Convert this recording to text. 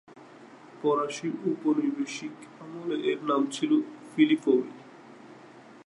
ফরাসি ঔপনিবেশিক আমলে এর নাম ছিল ফিলিপভিল।